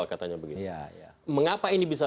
katanya begitu ya ya mengapa ini bisa